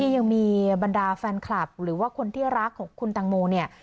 ยังมีบรรดาแฟนคลับหรือว่าคนที่รักของคุณตังโมเนี่ย